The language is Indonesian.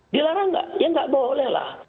dilarang nggak ya nggak boleh lah